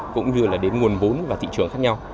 cũng như là đến nguồn vốn và thị trường khác nhau